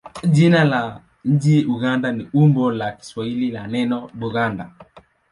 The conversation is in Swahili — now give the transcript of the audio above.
Jina la nchi Uganda ni umbo la Kiswahili la neno Buganda.